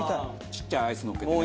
ちっちゃいアイスのっけてね。